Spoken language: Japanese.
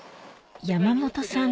山本さん